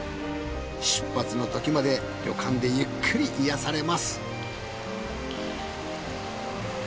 出発の時まで旅館でゆっくり癒やされます。